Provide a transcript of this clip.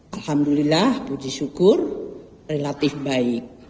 alhamdulillah puji syukur relatif baik